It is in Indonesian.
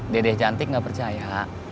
dede cantik gak percaya